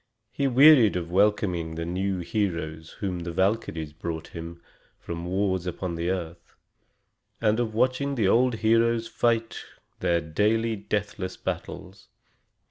He wearied of welcoming the new heroes whom the Valkyries brought him from wars upon the earth, and of watching the old heroes fight their daily deathless battles.